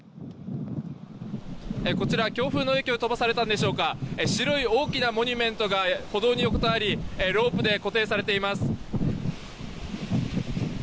こちら、強風の影響で飛ばされたんでしょうか白い大きなモニュメントが歩道に横たわりロープで固定されています。